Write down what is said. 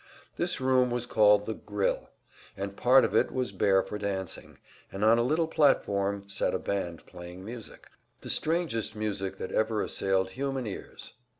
This room was called the "grill," and part of it was bare for dancing, and on a little platform sat a band playing music. The strangest music that ever assailed human ears!